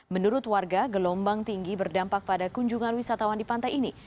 menurut warga gelombang tinggi berdampak pada kunjungan wisatawan di pantai ini